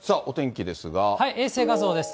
衛星画像です。